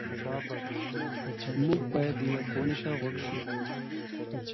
موږ باید دې لارښوونې ته غوږ شو.